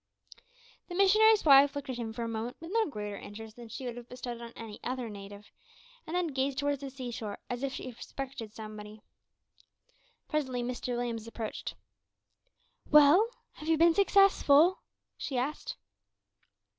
The missionary's wife looked at him for a moment with no greater interest than she would have bestowed on any other native, and then gazed towards the sea shore, as if she expected some one. Presently Mr Williams approached. "Well, have you been successful?" she asked.